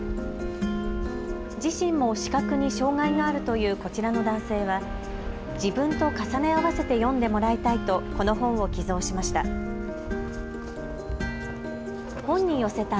自身も視覚に障害があるというこちらの男性は自分と重ね合わせて読んでもらいたいとこの本を寄贈しました。